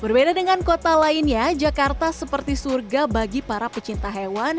berbeda dengan kota lain ya jakarta seperti surga bagi para pecinta hewan